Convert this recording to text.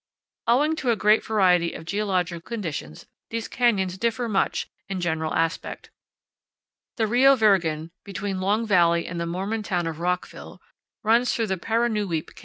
Owing to a great variety of geological conditions, these canyons differ much in general aspect. The Rio Virgen, between Long Valley and the Mormon town of Rockville, runs through Parunuweap Can 31 powell canyons 11.